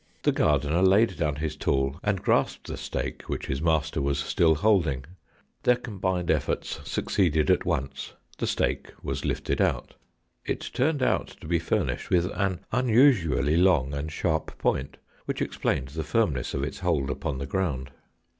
The gardener laid down his tool and grasped the stake, which his master was still holding ; their combined efforts succeeded at once ; the stake was lifted out. It turned out to be furnished with an unusually long and sharp point, which explained the firmness of its hold upon the ground.